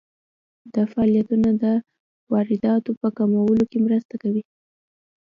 دا فعالیتونه د وارداتو په کمولو کې مرسته کوي.